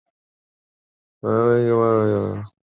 近几年真的都是吹泡泡元年